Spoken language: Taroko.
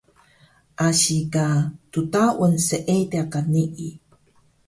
asi ka ddaun seediq ka nii